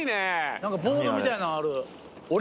何かボードみたいなんある。